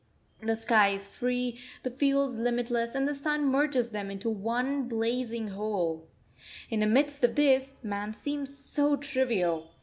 The sky is free, the fields limitless; and the sun merges them into one blazing whole. In the midst of this, man seems so trivial.